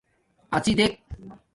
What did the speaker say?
اڎݵ دیک